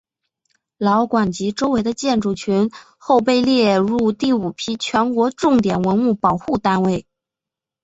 老馆及其周围的建筑群后被列入第五批全国重点文物保护单位。